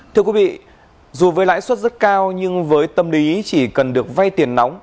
thưa quý vị dù với lãi suất rất cao nhưng với tâm lý chỉ cần được vay tiền nóng